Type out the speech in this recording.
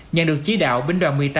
nhận được chí đạo binh đoàn một mươi tám